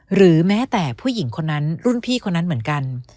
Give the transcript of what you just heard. หรือแม้แต่ผู้หญิงคนนั้นรุ่นพี่คนนั้นเหมือนกัน